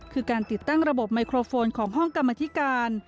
คือการติดตั้งระบบไมโครโฟนของห้องกรรมธิการ